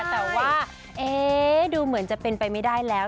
แต่ว่าดูเหมือนจะเป็นไปไม่ได้แล้ว